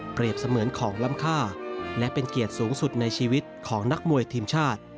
เสมือนของล้ำค่าและเป็นเกียรติสูงสุดในชีวิตของนักมวยทีมชาติ